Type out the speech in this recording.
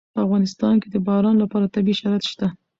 په افغانستان کې د باران لپاره طبیعي شرایط شته.